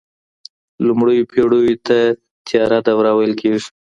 لومړیو پیړیو ته تیاره دوره ویل کیږي.